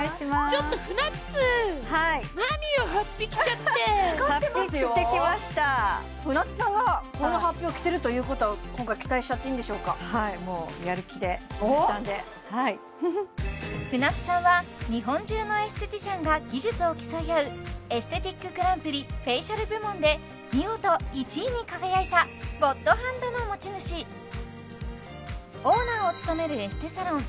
ちょっとフナッツー何よはっぴ着ちゃって光ってますよはっぴ着てきました舟津さんがこのはっぴを着てるということは今回期待しちゃっていいんでしょうかはいもう舟津さんは日本中のエステティシャンが技術を競い合うエステティックグランプリフェイシャル部門で見事１位に輝いたゴッドハンドの持ち主オーナーを務めるエステサロン